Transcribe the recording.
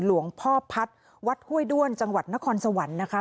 หลวงพ่อพัฒน์วัดห้วยด้วนจังหวัดนครสวรรค์นะคะ